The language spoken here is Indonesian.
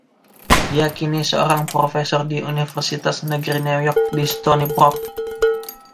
Dia kini seorang profesor di Universitas Negeri New York di Stony Brook.